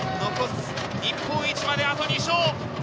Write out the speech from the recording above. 日本一まであと２勝。